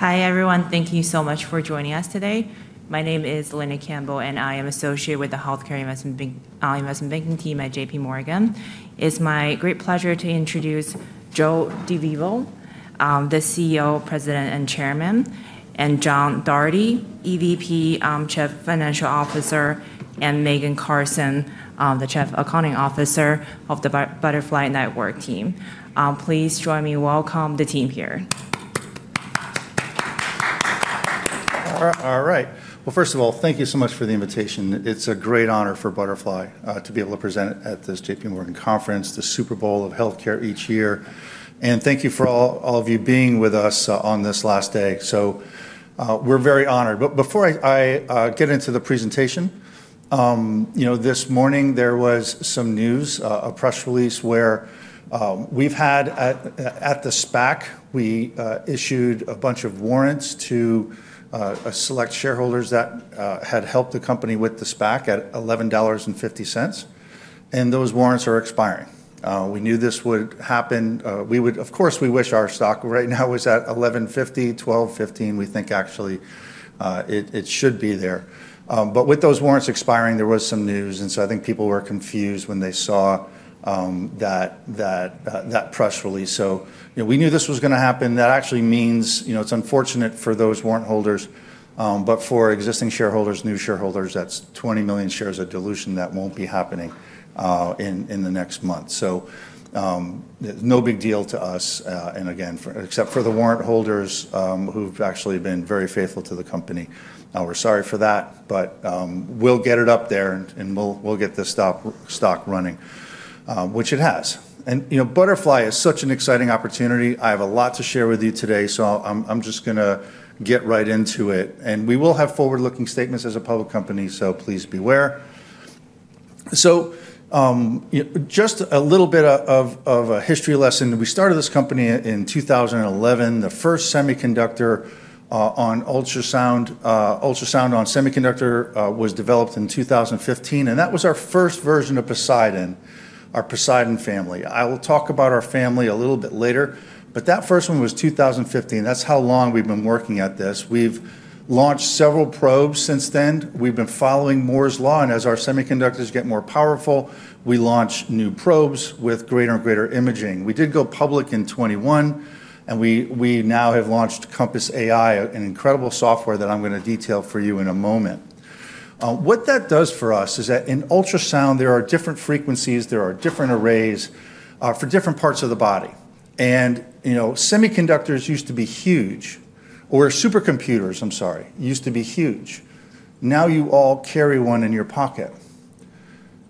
Hi, everyone. Thank you so much for joining us today. My name is Linna Campbell, and I am an associate with the Healthcare Investment Banking team at JPMorgan. It's my great pleasure to introduce Joe DeVivo, the CEO, President, and Chairman, and John Doherty, EVP Chief Financial Officer, and Megan Carlson, the Chief Accounting Officer of the Butterfly Network team. Please join me in welcoming the team here. All right. Well, first of all, thank you so much for the invitation. It's a great honor for Butterfly to be able to present at this J.P. Morgan Conference, the Super Bowl of healthcare each year. And thank you for all of you being with us on this last day. So we're very honored. But before I get into the presentation, this morning there was some news, a press release where we've had at the SPAC, we issued a bunch of warrants to select shareholders that had helped the company with the SPAC at $11.50. And those warrants are expiring. We knew this would happen. We would, of course, we wish our stock right now was at $11.50, $12.15. We think actually it should be there. But with those warrants expiring, there was some news. And so I think people were confused when they saw that press release. We knew this was going to happen. That actually means it's unfortunate for those warrant holders. For existing shareholders, new shareholders, that's 20 million shares of dilution that won't be happening in the next month. No big deal to us. Again, except for the warrant holders who've actually been very faithful to the company. We're sorry for that. We'll get it up there and we'll get this stock running, which it has. Butterfly is such an exciting opportunity. I have a lot to share with you today. I'm just going to get right into it. We will have forward-looking statements as a public company, so please beware. Just a little bit of a history lesson. We started this company in 2011. The first ultrasound on semiconductor was developed in 2015. That was our first version of Poseidon, our Poseidon family. I will talk about our family a little bit later. That first one was 2015. That's how long we've been working at this. We've launched several probes since then. We've been following Moore's Law. As our semiconductors get more powerful, we launch new probes with greater and greater imaging. We did go public in 2021. We now have launched Compass AI, an incredible software that I'm going to detail for you in a moment. What that does for us is that in ultrasound, there are different frequencies. There are different arrays for different parts of the body. Semiconductors used to be huge, or supercomputers, I'm sorry, used to be huge. Now you all carry one in your pocket.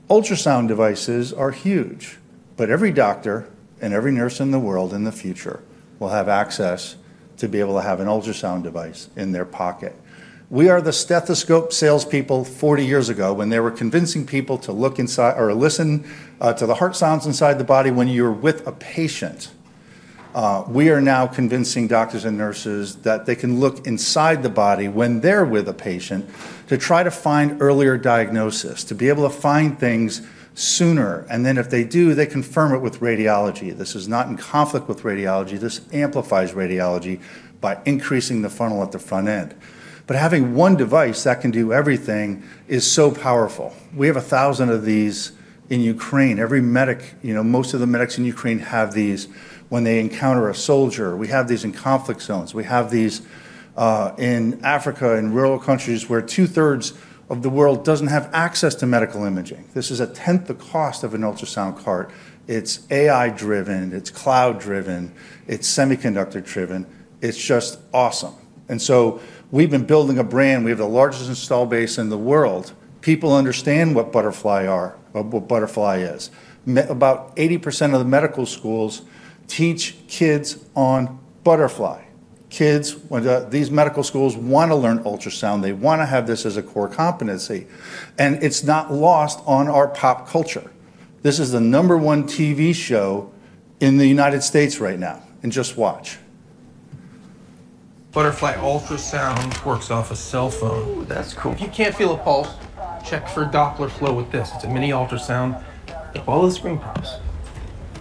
Ultrasound devices are huge. But every doctor and every nurse in the world in the future will have access to be able to have an ultrasound device in their pocket. We are the stethoscope salespeople 40 years ago when they were convincing people to look inside or listen to the heart sounds inside the body when you're with a patient. We are now convincing doctors and nurses that they can look inside the body when they're with a patient to try to find earlier diagnosis, to be able to find things sooner. And then if they do, they confirm it with radiology. This is not in conflict with radiology. This amplifies radiology by increasing the funnel at the front end. But having one device that can do everything is so powerful. We have 1,000 of these in Ukraine. Most of the medics in Ukraine have these when they encounter a soldier. We have these in conflict zones. We have these in Africa and rural countries where two-thirds of the world doesn't have access to medical imaging. This is a tenth the cost of an ultrasound cart. It's AI-driven. It's cloud-driven. It's semiconductor-driven. It's just awesome, and so we've been building a brand. We have the largest install base in the world. People understand what Butterfly are, what Butterfly is. About 80% of the medical schools teach kids on Butterfly. These medical schools want to learn ultrasound. They want to have this as a core competency, and it's not lost on our pop culture. This is the number one TV show in the United States right now, and just watch. Butterfly ultrasound works off a cell phone. Ooh, that's cool. If you can't feel a pulse, check for Doppler flow with this. It's a mini ultrasound. If all the screen pops.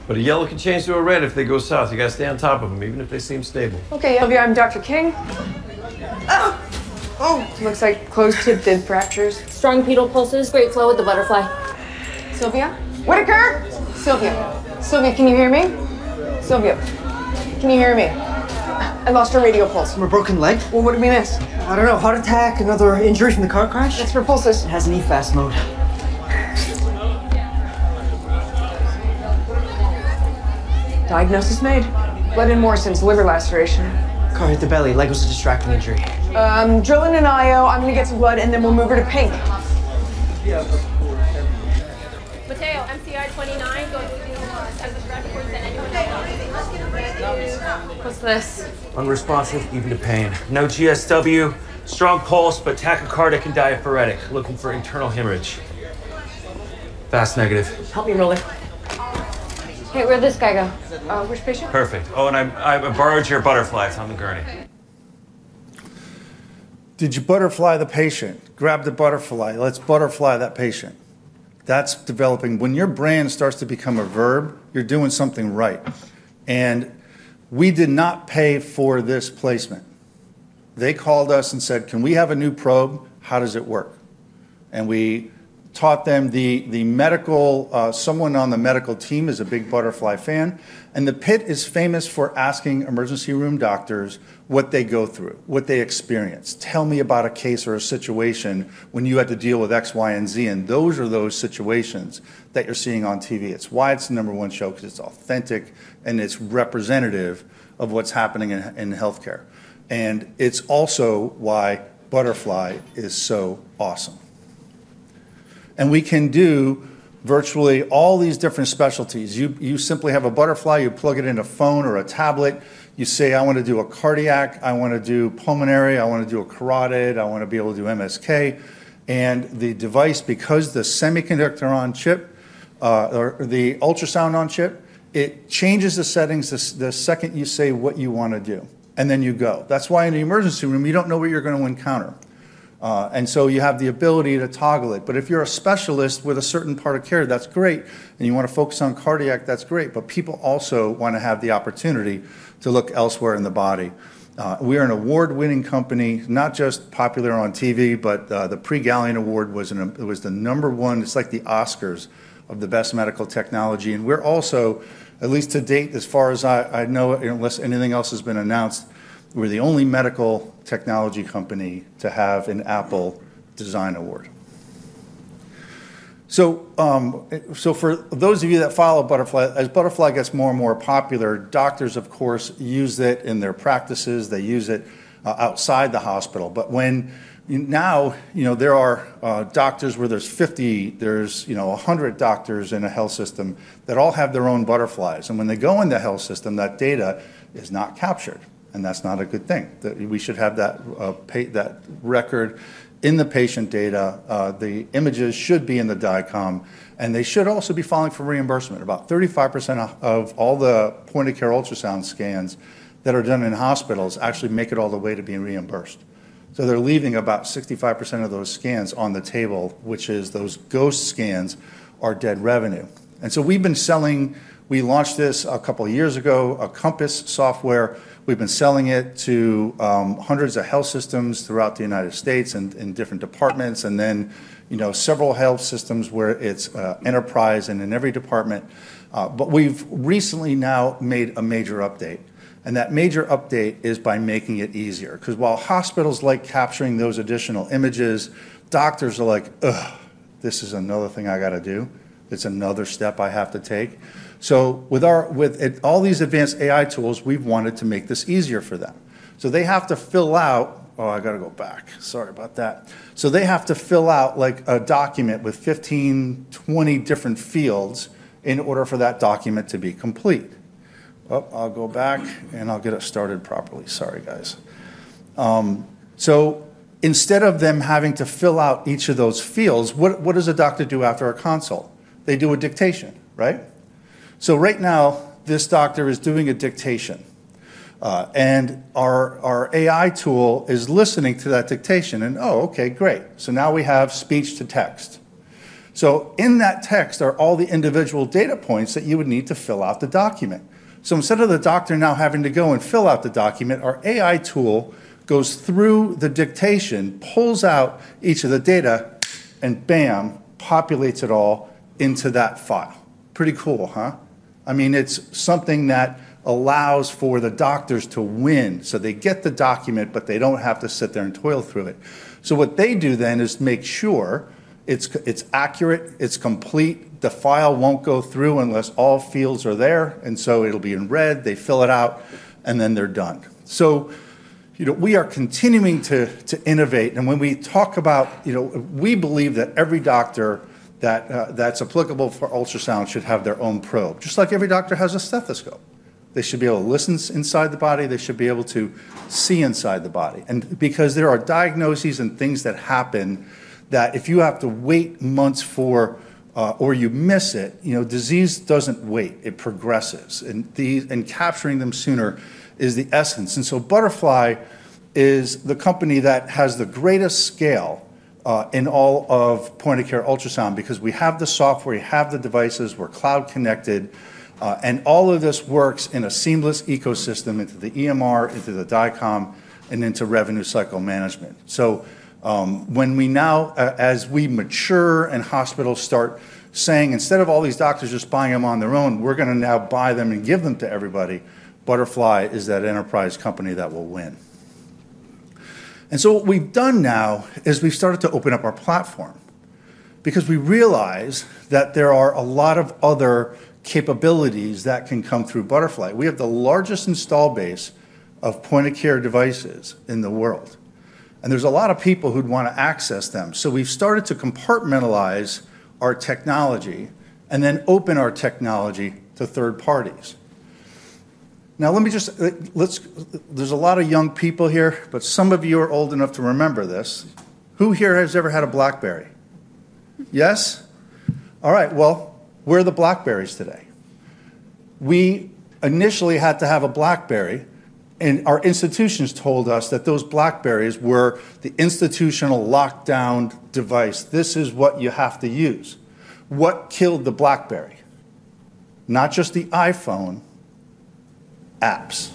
but a yellow can change to a red if they go south. You got to stay on top of them even if they seem stable. Okay, Sylvia, I'm Dr. King. Oh. Looks like closed-tip distal fractures. Strong pedal pulses, great flow with the Butterfly. Sylvia? What occurred? Sylvia. Sylvia, can you hear me? Sylvia, can you hear me? I lost a radial pulse. From a broken leg? What do we miss? I don't know. Heart attack, another injury from the car crash? That's for pulses. It has an eFAST mode. Diagnosis made? Blood in Morison's, liver laceration. Car hit the belly. Leg was a distracting injury. Drill in an IO. I'm going to get some blood, and then we'll move her to pink. Matteo, MTI 29, going to the status reports and anyone who's not. What's this? What's this? Unresponsive even to pain. No GSW. Strong pulse, but tachycardic and diaphoretic, looking for internal hemorrhage. eFAST negative. Help me roll it. Okay, where'd this guy go? Which patient? Perfect. Oh, and I borrowed your Butterfly from the gurney. Did you butterfly the patient? Grab the Butterfly. Let's butterfly that patient. That's developing. When your brand starts to become a verb, you're doing something right. And we did not pay for this placement. They called us and said, "Can we have a new probe? How does it work?" And we taught them the medical. Someone on the medical team is a big Butterfly fan. And The Pitt is famous for asking emergency room doctors what they go through, what they experience. Tell me about a case or a situation when you had to deal with X, Y, and Z. And those are those situations that you're seeing on TV. It's why it's the number one show, because it's authentic and it's representative of what's happening in healthcare. And it's also why Butterfly is so awesome. And we can do virtually all these different specialties. You simply have a Butterfly. You plug it into a phone or a tablet. You say, "I want to do a cardiac. I want to do pulmonary. I want to do a carotid. I want to be able to do MSK." And the device, because the semiconductor on chip or the ultrasound on chip, it changes the settings the second you say what you want to do. And then you go. That's why in the emergency room, you don't know what you're going to encounter. And so you have the ability to toggle it. But if you're a specialist with a certain part of care, that's great. And you want to focus on cardiac, that's great. But people also want to have the opportunity to look elsewhere in the body. We are an award-winning company, not just popular on TV, but the Prix Galien Award was the number one. It's like the Oscars of the best medical technology, and we're also, at least to date, as far as I know, unless anything else has been announced, the only medical technology company to have an Apple Design Award, so for those of you that follow Butterfly, as Butterfly gets more and more popular, doctors, of course, use it in their practices. They use it outside the hospital, but now there are doctors where there's 50, there's 100 doctors in a health system that all have their own Butterflies, and when they go into health system, that data is not captured, and that's not a good thing. We should have that record in the patient data. The images should be in the DICOM, and they should also be filing for reimbursement. About 35% of all the point-of-care ultrasound scans that are done in hospitals actually make it all the way to being reimbursed, so they're leaving about 65% of those scans on the table, which is, those ghost scans are dead revenue, and so we've been selling. We launched this a couple of years ago, a Compass software. We've been selling it to hundreds of health systems throughout the United States and different departments, and then several health systems where it's enterprise and in every department, but we've recently now made a major update, and that major update is by making it easier. Because while hospitals like capturing those additional images, doctors are like, "Ugh, this is another thing I got to do. It's another step I have to take," so with all these advanced AI tools, we've wanted to make this easier for them. They have to fill out a document with 15-20 different fields in order for that document to be complete. So instead of them having to fill out each of those fields, what does a doctor do after a consult? They do a dictation, right? So right now, this doctor is doing a dictation. And our AI tool is listening to that dictation. And oh, okay, great. So now we have speech to text. So in that text are all the individual data points that you would need to fill out the document. So instead of the doctor now having to go and fill out the document, our AI tool goes through the dictation, pulls out each of the data, and bam, populates it all into that file. Pretty cool, huh? I mean, it's something that allows for the doctors to win. So they get the document, but they don't have to sit there and toil through it. So what they do then is make sure it's accurate, it's complete. The file won't go through unless all fields are there. And so it'll be in red. They fill it out, and then they're done. So we are continuing to innovate. And when we talk about, we believe that every doctor that's applicable for ultrasound should have their own probe. Just like every doctor has a stethoscope. They should be able to listen inside the body. They should be able to see inside the body. And because there are diagnoses and things that happen that if you have to wait months for or you miss it, disease doesn't wait. It progresses. And capturing them sooner is the essence. And so Butterfly is the company that has the greatest scale in all of point-of-care ultrasound because we have the software, we have the devices, we're cloud connected. And all of this works in a seamless ecosystem into the EMR, into the DICOM, and into revenue cycle management. So when we now, as we mature and hospitals start saying, "Instead of all these doctors just buying them on their own, we're going to now buy them and give them to everybody," Butterfly is that enterprise company that will win. And so what we've done now is we've started to open up our platform because we realize that there are a lot of other capabilities that can come through Butterfly. We have the largest installed base of point-of-care devices in the world. And there's a lot of people who'd want to access them. So we've started to compartmentalize our technology and then open our technology to third parties. Now, let me just, there's a lot of young people here, but some of you are old enough to remember this. Who here has ever had a BlackBerry? Yes? All right. Well, where are the BlackBerries today? We initially had to have a BlackBerry. And our institutions told us that those BlackBerries were the institutional lockdown device. This is what you have to use. What killed the BlackBerry? Not just the iPhone apps.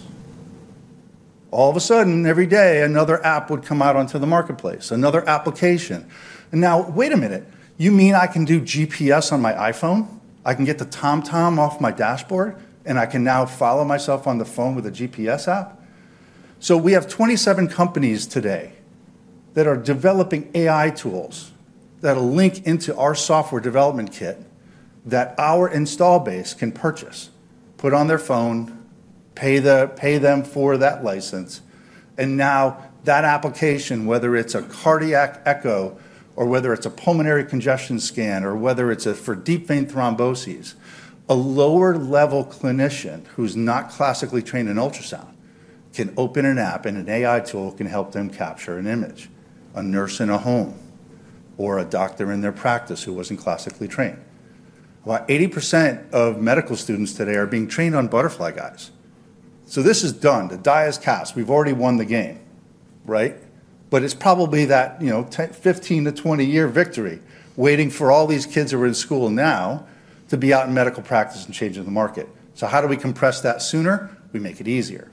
All of a sudden, every day, another app would come out onto the marketplace, another application, and now, wait a minute. You mean I can do GPS on my iPhone? I can get the TomTom off my dashboard, and I can now follow myself on the phone with a GPS app, so we have 27 companies today that are developing AI tools that'll link into our software development kit that our install base can purchase, put on their phone, pay them for that license, and now that application, whether it's a cardiac echo or whether it's a pulmonary congestion scan or whether it's for deep vein thromboses, a lower-level clinician who's not classically trained in ultrasound can open an app, and an AI tool can help them capture an image, a nurse in a home, or a doctor in their practice who wasn't classically trained. About 80% of medical students today are being trained on Butterfly iQ's. So this is done. The die is cast. We've already won the game, right? But it's probably that 15- to 20-year victory waiting for all these kids who are in school now to be out in medical practice and changing the market. So how do we compress that sooner? We make it easier.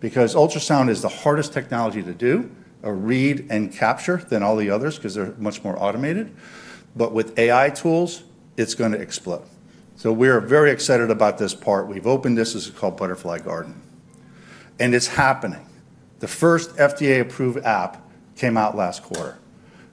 Because ultrasound is the hardest technology to do a read and capture than all the others because they're much more automated. But with AI tools, it's going to explode. So we are very excited about this part. We've opened this. This is called Butterfly Garden. And it's happening. The first FDA-approved app came out last quarter.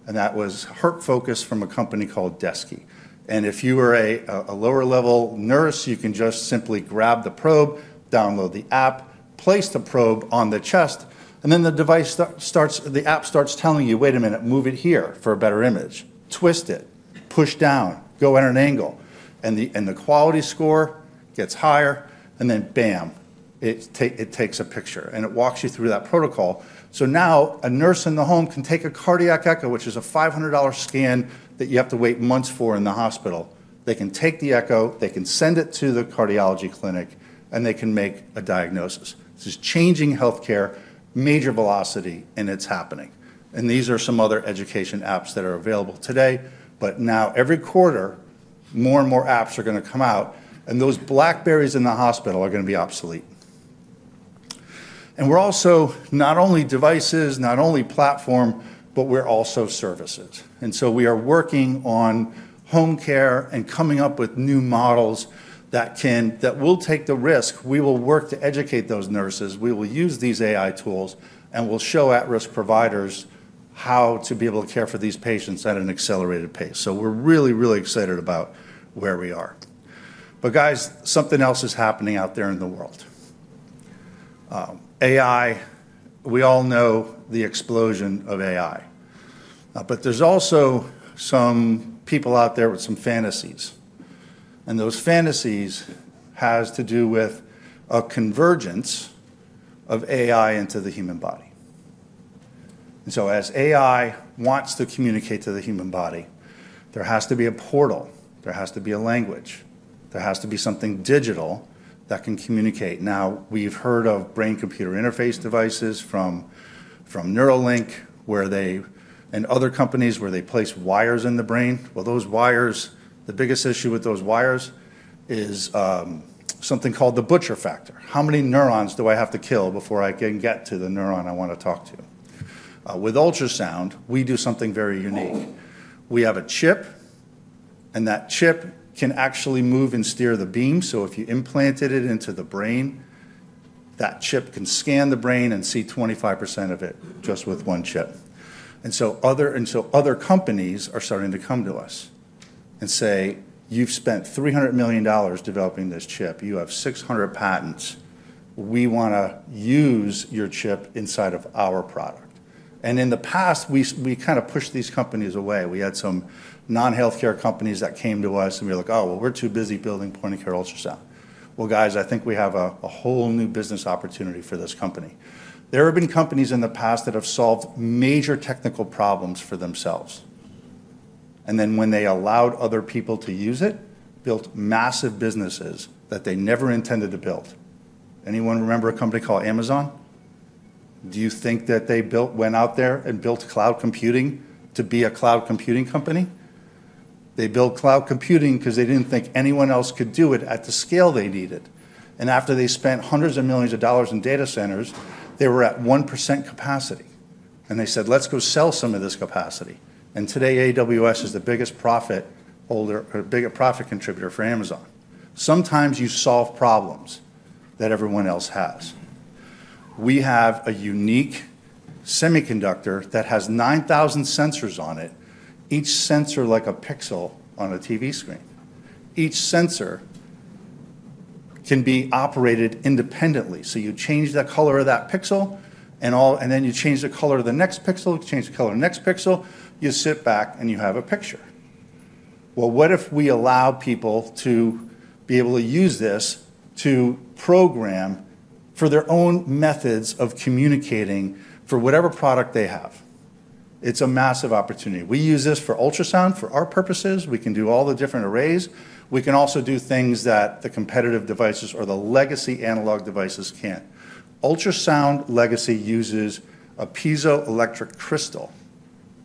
And that was HeartFocus from a company called Deski. And if you are a lower-level nurse, you can just simply grab the probe, download the app, place the probe on the chest, and then the device starts, the app starts telling you, "Wait a minute, move it here for a better image. Twist it. Push down. Go at an angle." And the quality score gets higher. And then bam, it takes a picture. And it walks you through that protocol. So now a nurse in the home can take a cardiac echo, which is a $500 scan that you have to wait months for in the hospital. They can take the echo. They can send it to the cardiology clinic, and they can make a diagnosis. This is changing healthcare major velocity, and it's happening. And these are some other education apps that are available today. But now, every quarter, more and more apps are going to come out. Those BlackBerries in the hospital are going to be obsolete. We're also not only devices, not only platform, but we're also services. We are working on home care and coming up with new models that will take the risk. We will work to educate those nurses. We will use these AI tools, and we'll show at-risk providers how to be able to care for these patients at an accelerated pace. We're really, really excited about where we are. Guys, something else is happening out there in the world. AI, we all know the explosion of AI. There's also some people out there with some fantasies. Those fantasies have to do with a convergence of AI into the human body. As AI wants to communicate to the human body, there has to be a portal. There has to be a language. There has to be something digital that can communicate. Now, we've heard of brain-computer interface devices from Neuralink and other companies where they place wires in the brain. Well, the biggest issue with those wires is something called the Butcher Factor. How many neurons do I have to kill before I can get to the neuron I want to talk to? With ultrasound, we do something very unique. We have a chip, and that chip can actually move and steer the beam. So if you implanted it into the brain, that chip can scan the brain and see 25% of it just with one chip. And so other companies are starting to come to us and say, "You've spent $300 million developing this chip. You have 600 patents. We want to use your chip inside of our product." And in the past, we kind of pushed these companies away. We had some non-healthcare companies that came to us, and we were like, "Oh, well, we're too busy building point-of-care ultrasound." Well, guys, I think we have a whole new business opportunity for this company. There have been companies in the past that have solved major technical problems for themselves. And then when they allowed other people to use it, built massive businesses that they never intended to build. Anyone remember a company called Amazon? Do you think that they went out there and built cloud computing to be a cloud computing company? They built cloud computing because they didn't think anyone else could do it at the scale they needed. And after they spent hundreds of millions of dollars in data centers, they were at 1% capacity. And they said, "Let's go sell some of this capacity." And today, AWS is the biggest profit contributor for Amazon. Sometimes you solve problems that everyone else has. We have a unique semiconductor that has 9,000 sensors on it, each sensor like a pixel on a TV screen. Each sensor can be operated independently. So you change the color of that pixel, and then you change the color of the next pixel, change the color of the next pixel, you sit back, and you have a picture. Well, what if we allow people to be able to use this to program for their own methods of communicating for whatever product they have? It's a massive opportunity. We use this for ultrasound for our purposes. We can do all the different arrays. We can also do things that the competitive devices or the legacy analog devices can't. Ultrasound legacy uses a piezoelectric crystal.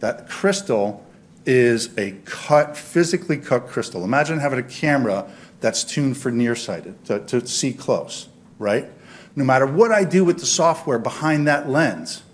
That crystal is a physically cut crystal. Imagine having a camera that's tuned for near-sighted to see close, right? No matter what I do with the software behind that lens,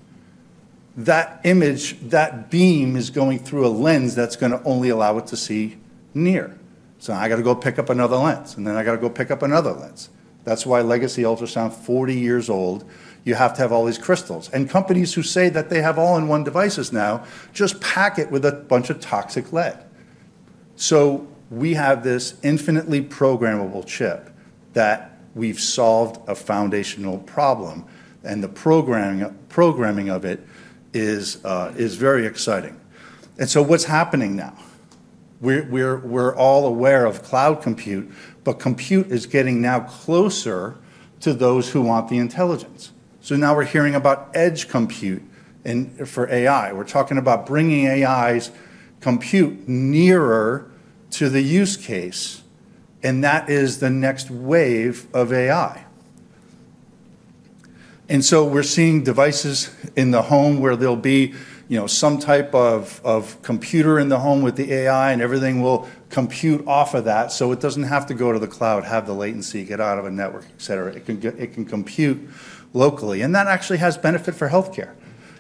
that image, that beam is going through a lens that's going to only allow it to see near. So I got to go pick up another lens, and then I got to go pick up another lens. That's why legacy ultrasound, 40 years old, you have to have all these crystals. And companies who say that they have all-in-one devices now just pack it with a bunch of toxic lead. So we have this infinitely programmable chip that we've solved a foundational problem. And the programming of it is very exciting. And so what's happening now? We're all aware of cloud compute, but compute is getting now closer to those who want the intelligence. So now we're hearing about edge compute for AI. We're talking about bringing AI's compute nearer to the use case. And that is the next wave of AI. And so we're seeing devices in the home where there'll be some type of computer in the home with the AI, and everything will compute off of that. So it doesn't have to go to the cloud, have the latency, get out of a network, etc. It can compute locally. And that actually has benefit for healthcare.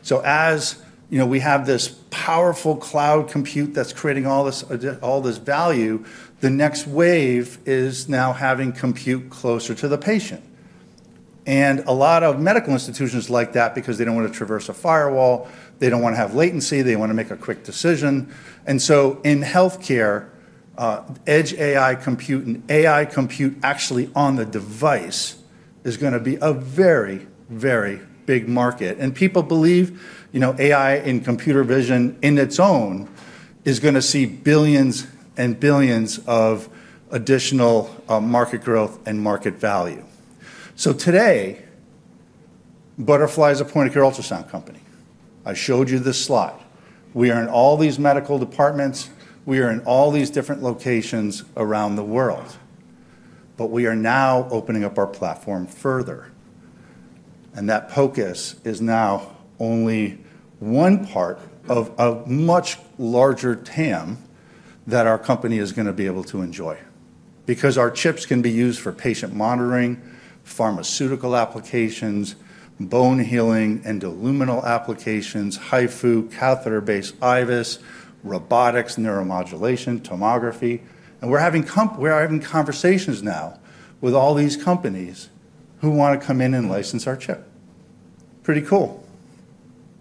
So as we have this powerful cloud compute that's creating all this value, the next wave is now having compute closer to the patient. And a lot of medical institutions like that because they don't want to traverse a firewall. They don't want to have latency. They want to make a quick decision. And so in healthcare, edge AI compute and AI compute actually on the device is going to be a very, very big market. And people believe AI in computer vision in its own is going to see billions and billions of additional market growth and market value. So today, Butterfly is a point-of-care ultrasound company. I showed you this slide. We are in all these medical departments. We are in all these different locations around the world. But we are now opening up our platform further. And that focus is now only one part of a much larger TAM that our company is going to be able to enjoy. Because our chips can be used for patient monitoring, pharmaceutical applications, bone healing, endoluminal applications, HIFU, catheter-based IVUS, robotics, neuromodulation, tomography. And we're having conversations now with all these companies who want to come in and license our chip. Pretty cool.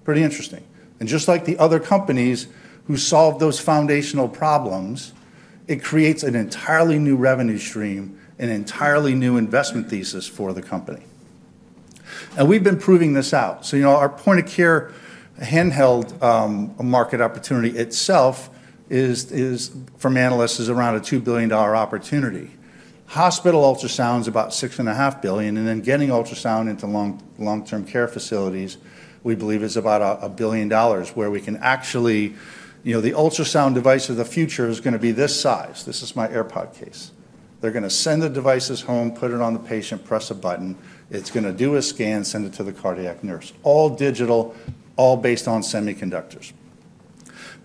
Pretty interesting. And just like the other companies who solved those foundational problems, it creates an entirely new revenue stream, an entirely new investment thesis for the company. And we've been proving this out. So our point-of-care handheld market opportunity itself from analysts is around a $2 billion opportunity. Hospital ultrasound is about $6.5 billion. And then getting ultrasound into long-term care facilities, we believe, is about $1 billion where we can actually the ultrasound device of the future is going to be this size. This is my AirPod case. They're going to send the devices home, put it on the patient, press a button. It's going to do a scan, send it to the cardiac nurse. All digital, all based on semiconductors.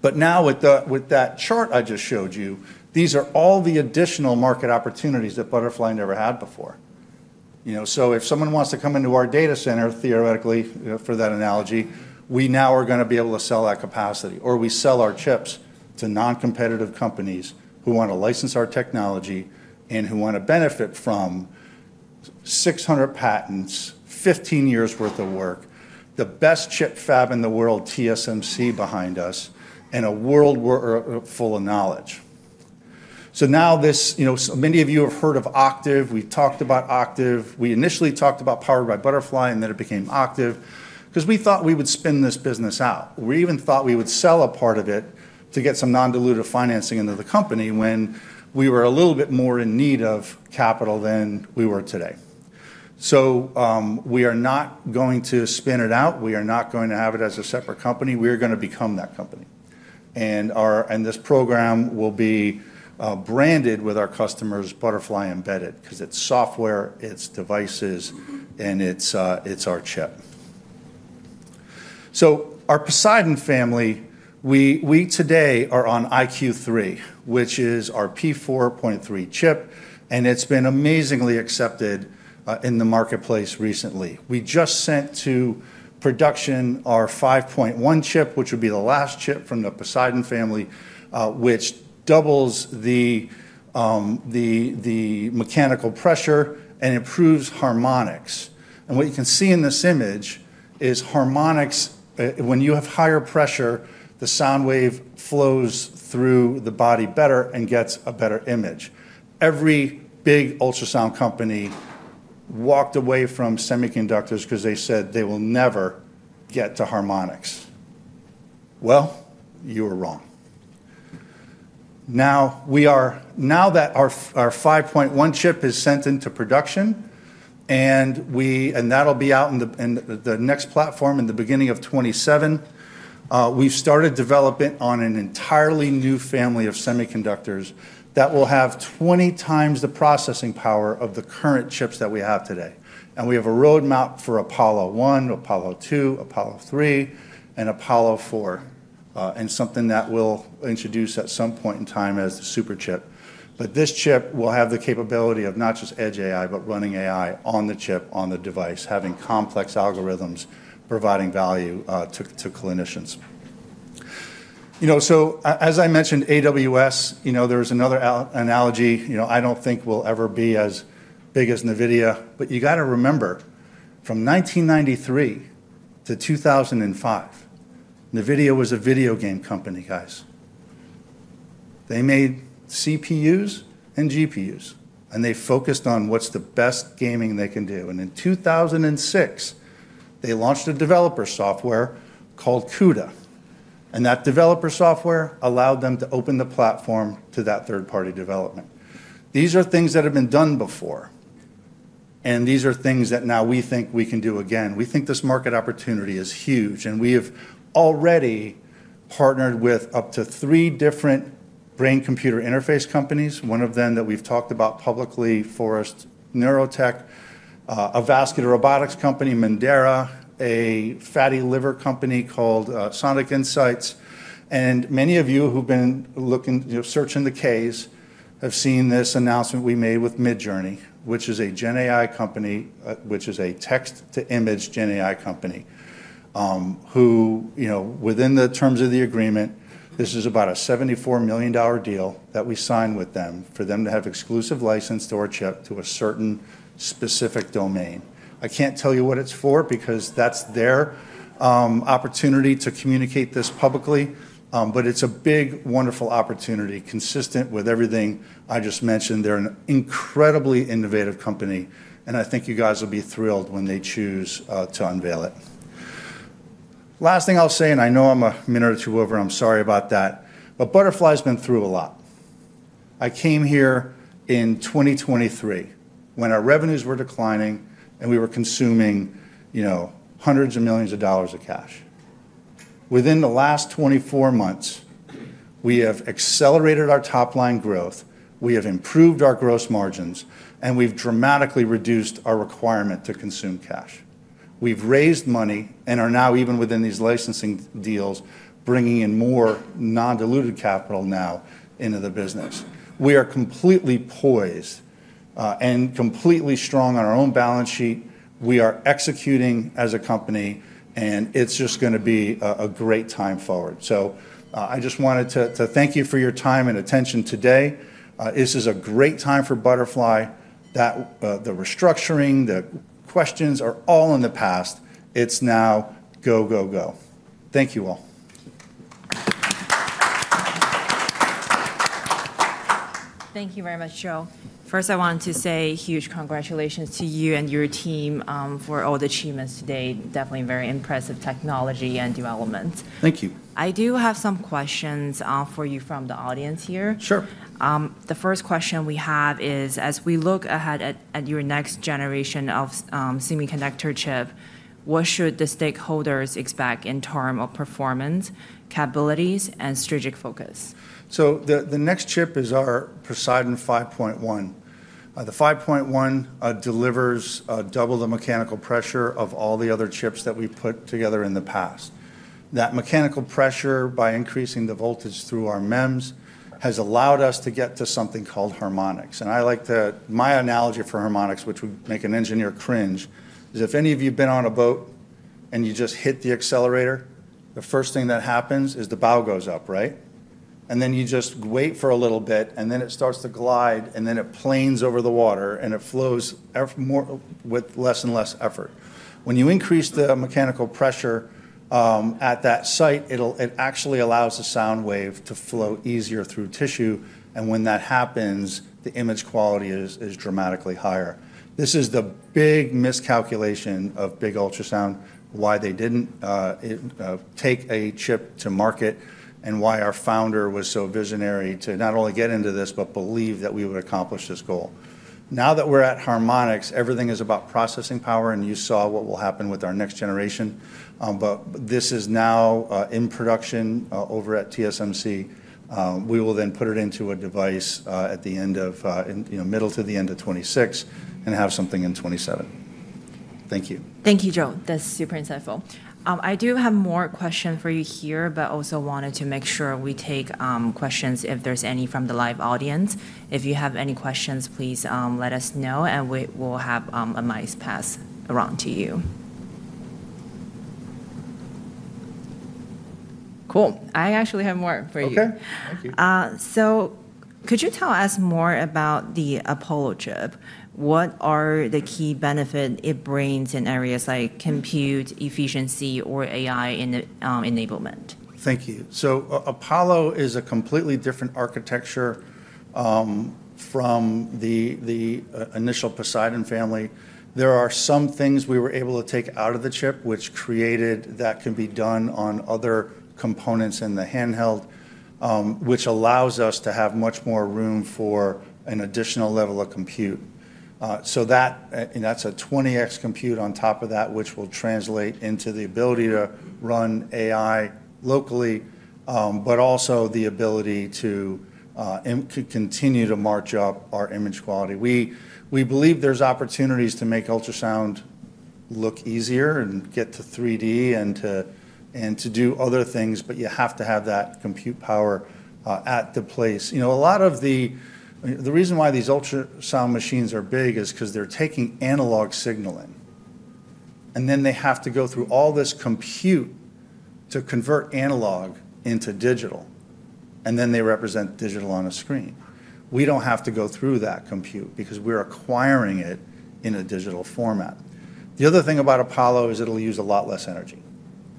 But now with that chart I just showed you, these are all the additional market opportunities that Butterfly never had before. So if someone wants to come into our data center, theoretically, for that analogy, we now are going to be able to sell that capacity. Or we sell our chips to non-competitive companies who want to license our technology and who want to benefit from 600 patents, 15 years' worth of work, the best chip fab in the world, TSMC behind us, and a world full of knowledge. So now, many of you have heard of Octiv. We talked about Octiv. We initially talked about Powered by Butterfly, and then it became Octiv because we thought we would spin this business out. We even thought we would sell a part of it to get some non-dilutive financing into the company when we were a little bit more in need of capital than we were today. So we are not going to spin it out. We are not going to have it as a separate company. We are going to become that company. And this program will be branded with our customers, Butterfly Embedded, because it's software, it's devices, and it's our chip. So our Poseidon family, we today are on iQ3, which is our P4.3 chip. And it's been amazingly accepted in the marketplace recently. We just sent to production our 5.1 chip, which would be the last chip from the Poseidon family, which doubles the mechanical pressure and improves harmonics. And what you can see in this image is harmonics. When you have higher pressure, the sound wave flows through the body better and gets a better image. Every big ultrasound company walked away from semiconductors because they said they will never get to harmonics. Well, you were wrong. Now that our 5.1 chip is sent into production, and that'll be out in the next platform in the beginning of 2027, we've started developing on an entirely new family of semiconductors that will have 20 times the processing power of the current chips that we have today. And we have a roadmap for Apollo 1, Apollo 2, Apollo 3, and Apollo 4, and something that we'll introduce at some point in time as the superchip. But this chip will have the capability of not just edge AI, but running AI on the chip, on the device, having complex algorithms, providing value to clinicians. So as I mentioned, AWS, there is another analogy. I don't think we'll ever be as big as NVIDIA. But you got to remember, from 1993 to 2005, NVIDIA was a video game company, guys. They made CPUs and GPUs, and they focused on what's the best gaming they can do. And in 2006, they launched a developer software called CUDA. And that developer software allowed them to open the platform to that third-party development. These are things that have been done before. And these are things that now we think we can do again. We think this market opportunity is huge. And we have already partnered with up to three different brain-computer interface companies. One of them that we've talked about publicly, Forest Neurotech, a vascular robotics company, Mendaera, a fatty liver company called Sonic Incytes. And many of you who've been searching the case have seen this announcement we made with Midjourney, which is a GenAI company, which is a text-to-image GenAI company, who, within the terms of the agreement, this is about a $74 million deal that we signed with them for them to have exclusive license to our chip to a certain specific domain. I can't tell you what it's for because that's their opportunity to communicate this publicly. But it's a big, wonderful opportunity consistent with everything I just mentioned. They're an incredibly innovative company. And I think you guys will be thrilled when they choose to unveil it. Last thing I'll say, and I know I'm a minute or two over. I'm sorry about that. But Butterfly has been through a lot. I came here in 2023 when our revenues were declining and we were consuming hundreds of millions of dollars of cash. Within the last 24 months, we have accelerated our top-line growth. We have improved our gross margins, and we've dramatically reduced our requirement to consume cash. We've raised money and are now, even within these licensing deals, bringing in more non-dilutive capital now into the business. We are completely poised and completely strong on our own balance sheet. We are executing as a company, and it's just going to be a great time forward. So I just wanted to thank you for your time and attention today. This is a great time for Butterfly. The restructuring, the questions are all in the past. It's now go, go, go. Thank you all. Thank you very much, Joe. First, I want to say huge congratulations to you and your team for all the achievements today. Definitely very impressive technology and development. Thank you. I do have some questions for you from the audience here. Sure. The first question we have is, as we look ahead at your next generation of semiconductor chip, what should the stakeholders expect in terms of performance, capabilities, and strategic focus? The next chip is our Poseidon 5.1. The 5.1 delivers double the mechanical pressure of all the other chips that we put together in the past. That mechanical pressure, by increasing the voltage through our MEMS, has allowed us to get to something called harmonics. And my analogy for harmonics, which would make an engineer cringe, is if any of you have been on a boat and you just hit the accelerator, the first thing that happens is the bow goes up, right? And then you just wait for a little bit, and then it starts to glide, and then it planes over the water, and it flows with less and less effort. When you increase the mechanical pressure at that site, it actually allows the sound wave to flow easier through tissue. And when that happens, the image quality is dramatically higher. This is the big miscalculation of big ultrasound, why they didn't take a chip to market, and why our founder was so visionary to not only get into this, but believe that we would accomplish this goal. Now that we're at harmonics, everything is about processing power, and you saw what will happen with our next generation, but this is now in production over at TSMC. We will then put it into a device at the end of middle to the end of 2026 and have something in 2027. Thank you. Thank you, Joe. That's super insightful. I do have more questions for you here, but also wanted to make sure we take questions if there's any from the live audience. If you have any questions, please let us know, and we will have a mic pass around to you. Cool. I actually have more for you. Okay. Thank you. So could you tell us more about the Apollo chip? What are the key benefits it brings in areas like compute efficiency or AI enablement? Thank you. Apollo is a completely different architecture from the initial Poseidon family. There are some things we were able to take out of the chip, which created space that can be done on other components in the handheld, which allows us to have much more room for an additional level of compute. That's a 20x compute on top of that, which will translate into the ability to run AI locally, but also the ability to continue to march up our image quality. We believe there's opportunities to make ultrasound look easier and get to 3D and to do other things, but you have to have that compute power at the place. A lot of the reason why these ultrasound machines are big is because they're taking analog signal in. Then they have to go through all this compute to convert analog into digital. They represent digital on a screen. We don't have to go through that compute because we're acquiring it in a digital format. The other thing about Apollo is it'll use a lot less energy.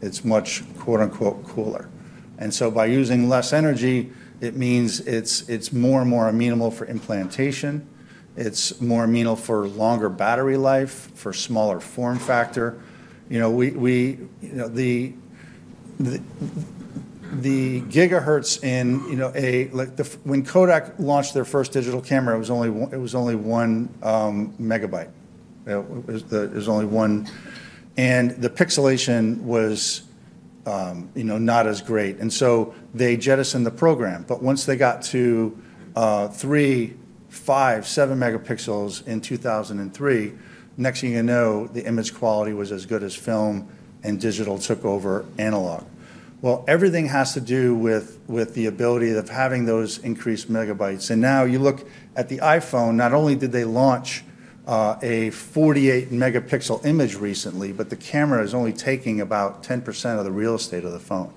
It's much, quote unquote, "cooler." And so by using less energy, it means it's more and more amenable for implantation. It's more amenable for longer battery life, for smaller form factor. The gigahertz in a when Kodak launched their first digital camera, it was only one megabyte. It was only one. And the pixelation was not as great. And so they jettisoned the program. But once they got to three, five, seven megapixels in 2003, next thing you know, the image quality was as good as film, and digital took over analog. Well, everything has to do with the ability of having those increased megabytes. And now you look at the iPhone, not only did they launch a 48-megapixel image recently, but the camera is only taking about 10% of the real estate of the phone.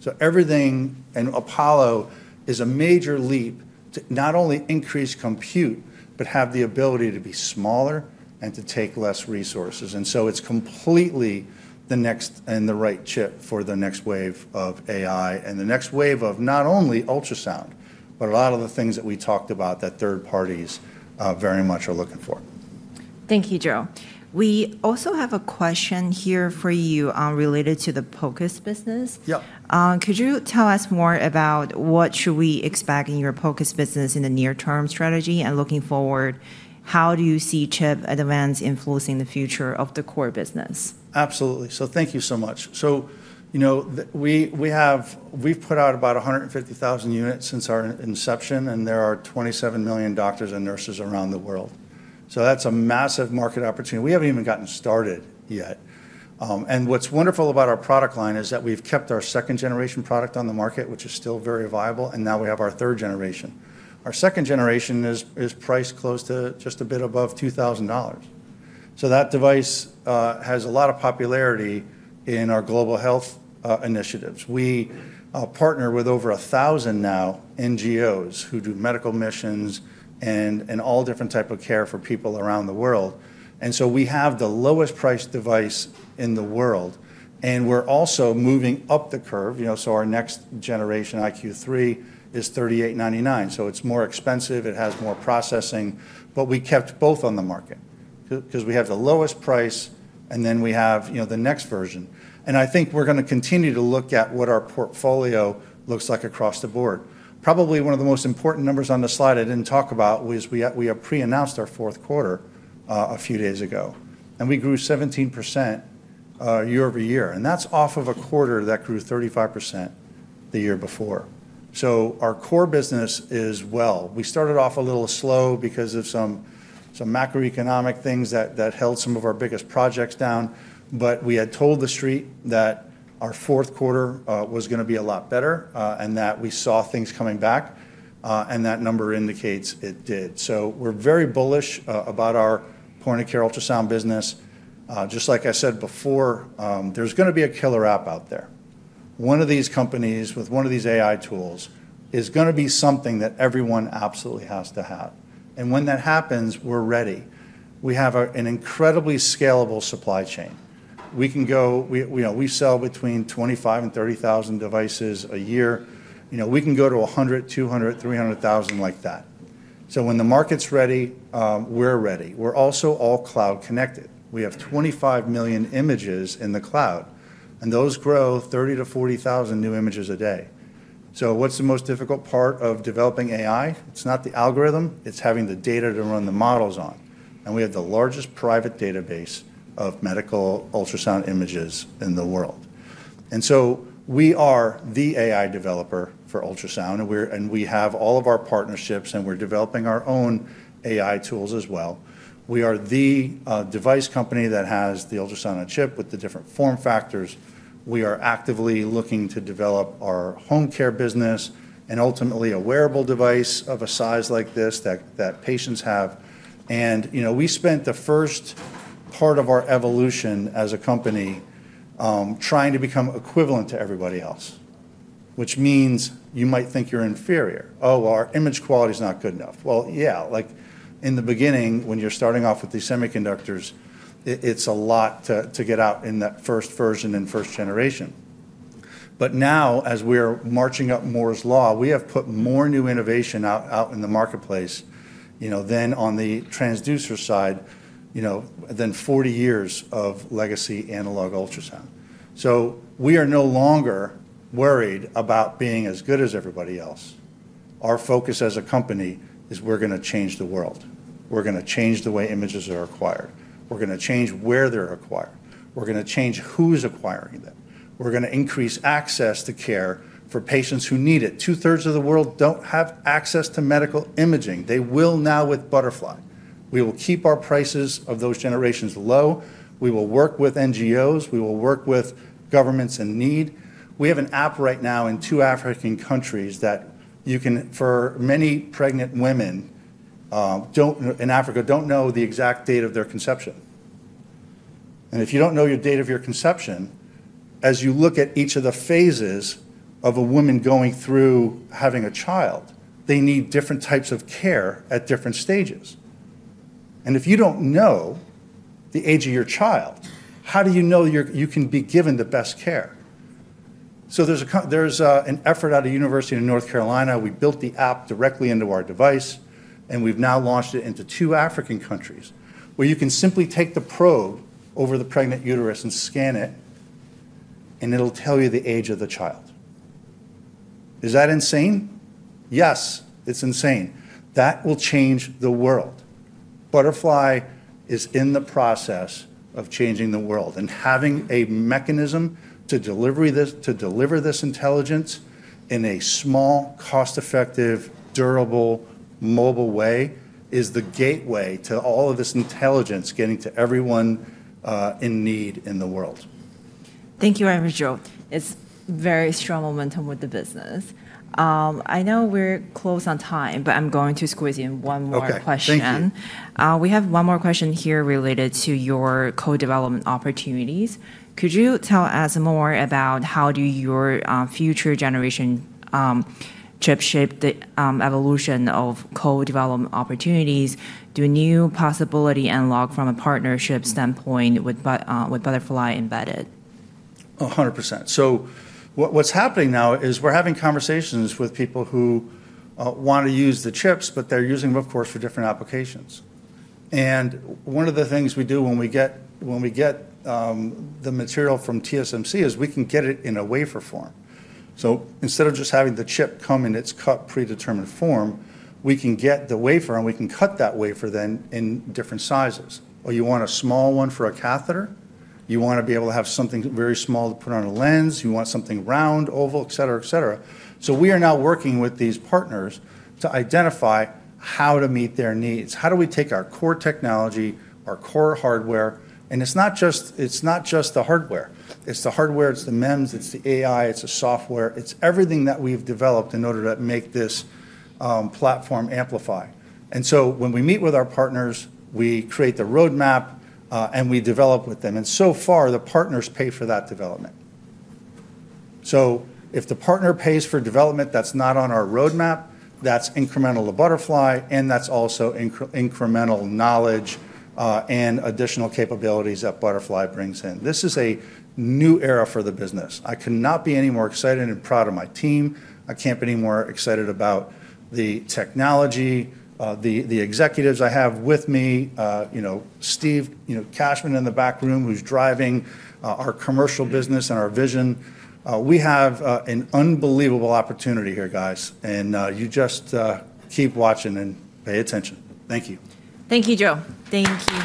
So everything and Apollo is a major leap to not only increase compute, but have the ability to be smaller and to take less resources. And so it's completely the next and the right chip for the next wave of AI and the next wave of not only ultrasound, but a lot of the things that we talked about that third parties very much are looking for. Thank you, Joe. We also have a question here for you related to the HeartFocus business. Yeah. Could you tell us more about what should we expect in your focus business in the near-term strategy and looking forward? How do you see chip advance influencing the future of the core business? Absolutely. So thank you so much. So we've put out about 150,000 units since our inception, and there are 27 million doctors and nurses around the world. So that's a massive market opportunity. We haven't even gotten started yet. And what's wonderful about our product line is that we've kept our second-generation product on the market, which is still very viable. And now we have our third generation. Our second generation is priced close to just a bit above $2,000. So that device has a lot of popularity in our global health initiatives. We partner with over 1,000 now NGOs who do medical missions and all different types of care for people around the world. And so we have the lowest priced device in the world. And we're also moving up the curve. So our next generation iQ3 is $3,899. So it's more expensive. It has more processing. But we kept both on the market because we have the lowest price, and then we have the next version. And I think we're going to continue to look at what our portfolio looks like across the board. Probably one of the most important numbers on the slide I didn't talk about was we pre-announced our fourth quarter a few days ago. And we grew 17% year over year. And that's off of a quarter that grew 35% the year before. So our core business is, well, we started off a little slow because of some macroeconomic things that held some of our biggest projects down. But we had told the street that our fourth quarter was going to be a lot better and that we saw things coming back. And that number indicates it did. So we're very bullish about our point-of-care ultrasound business. Just like I said before, there's going to be a killer app out there. One of these companies with one of these AI tools is going to be something that everyone absolutely has to have, and when that happens, we're ready. We have an incredibly scalable supply chain. We can go, we sell between 25,000 and 30,000 devices a year. We can go to 100,000, 200,000, 300,000 like that, so when the market's ready, we're ready. We're also all cloud connected. We have 25 million images in the cloud, and those grow 30,000 to 40,000 new images a day. So what's the most difficult part of developing AI? It's not the algorithm. It's having the data to run the models on, and we have the largest private database of medical ultrasound images in the world, and so we are the AI developer for ultrasound. We have all of our partnerships, and we're developing our own AI tools as well. We are the device company that has the ultrasound chip with the different form factors. We are actively looking to develop our home care business and ultimately a wearable device of a size like this that patients have. We spent the first part of our evolution as a company trying to become equivalent to everybody else, which means you might think you're inferior. Oh, our image quality is not good enough. Yeah. In the beginning, when you're starting off with these semiconductors, it's a lot to get out in that first version and first generation. Now, as we're marching up Moore's Law, we have put more new innovation out in the marketplace than on the transducer side, than 40 years of legacy analog ultrasound. We are no longer worried about being as good as everybody else. Our focus as a company is we're going to change the world. We're going to change the way images are acquired. We're going to change where they're acquired. We're going to change who's acquiring them. We're going to increase access to care for patients who need it. Two-thirds of the world don't have access to medical imaging. They will now with Butterfly. We will keep our prices of those generations low. We will work with NGOs. We will work with governments in need. We have an app right now in two African countries that you can, for many pregnant women in Africa, don't know the exact date of their conception. And if you don't know your date of your conception, as you look at each of the phases of a woman going through having a child, they need different types of care at different stages. And if you don't know the age of your child, how do you know you can be given the best care? So there's an effort at a university in North Carolina. We built the app directly into our device. And we've now launched it into two African countries where you can simply take the probe over the pregnant uterus and scan it, and it'll tell you the age of the child. Is that insane? Yes, it's insane. That will change the world. Butterfly is in the process of changing the world. Having a mechanism to deliver this intelligence in a small, cost-effective, durable, mobile way is the gateway to all of this intelligence getting to everyone in need in the world. Thank you, Joe. It's very strong momentum with the business. I know we're close on time, but I'm going to squeeze in one more question. Okay. Thanks. We have one more question here related to your co-development opportunities. Could you tell us more about how do your future generation chip shape the evolution of co-development opportunities to a new possibility and along from a partnership standpoint with Butterfly Embedded? 100%. So what's happening now is we're having conversations with people who want to use the chips, but they're using them, of course, for different applications. And one of the things we do when we get the material from TSMC is we can get it in a wafer form. So instead of just having the chip come in its cut predetermined form, we can get the wafer, and we can cut that wafer then in different sizes. Or you want a small one for a catheter. You want to be able to have something very small to put on a lens. You want something round, oval, et cetera, et cetera. So we are now working with these partners to identify how to meet their needs. How do we take our core technology, our core hardware? And it's not just the hardware. It's the hardware. It's the MEMS. It's the AI. It's the software. It's everything that we've developed in order to make this platform amplify. And so when we meet with our partners, we create the roadmap, and we develop with them. And so far, the partners pay for that development. So if the partner pays for development that's not on our roadmap, that's incremental to Butterfly, and that's also incremental knowledge and additional capabilities that Butterfly brings in. This is a new era for the business. I could not be any more excited and proud of my team. I can't be any more excited about the technology, the executives I have with me, Steve Cashman in the back room who's driving our commercial business and our vision. We have an unbelievable opportunity here, guys. And you just keep watching and pay attention. Thank you. Thank you, Joe. Thank you.